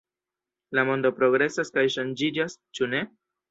La mondo progresas kaj ŝanĝiĝas, ĉu ne?